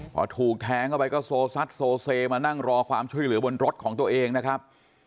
พอถูกแทงเข้าไปก็โซซัดโซเซมานั่งรอความช่วยเหลือบนรถของตัวเองนะครับ